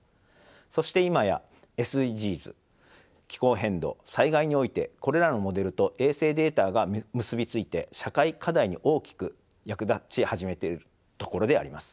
そして今やＳＤＧｓ気候変動災害においてこれらのモデルと衛星データが結び付いて社会課題に大きく役立ち始めているところであります。